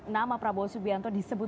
nama prabowo subianto disebut